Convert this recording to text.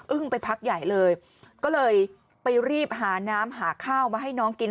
ไปพักใหญ่เลยก็เลยไปรีบหาน้ำหาข้าวมาให้น้องกิน